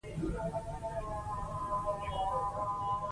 دی حقایق په روښانه ډول بیانوي.